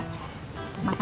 kita pelan dulu ya